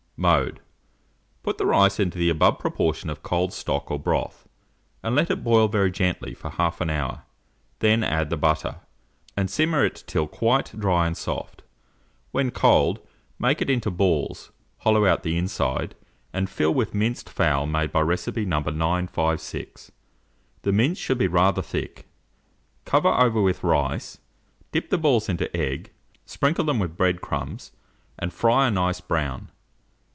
Mode. Put the rice into the above proportion of cold stock or broth, and let it boil very gently for 1/2 hour; then add the butter, and simmer it till quite dry and soft When cold, make it into balls, hollow out the inside, and fill with minced fowl made by recipe No. 956. The mince should be rather thick. Cover over with rice, dip the balls into egg, sprinkle them with bread crumbs, and fry a nice brown.